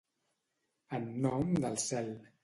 En nom del cel.